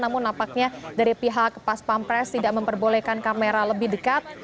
namun nampaknya dari pihak pas pampres tidak memperbolehkan kamera lebih dekat